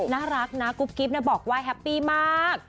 น่ารักนะกุ๊บกิ๊บบอกว่าแฮปปี้มาก